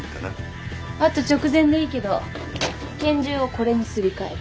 あと直前でいいけど拳銃をこれにすり替える。